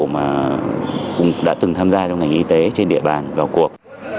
mà cũng đã từng tham gia trong ngành y tế trên địa bàn vào cuộc